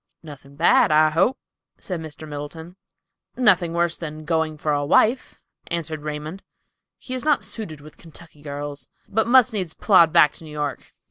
"Nothing bad, I hope," said Mr. Middleton. "Nothing worse than going for a wife," answered Raymond. "He is not suited with Kentucky girls, but must needs plod back to New York."